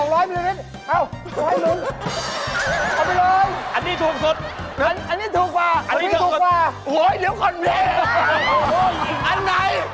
โอ้โฮเดี๋ยวก่อนอันไหนถูกอีกสุด